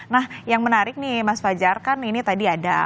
nah yang menarik nih mas fajar kan ini tadi ada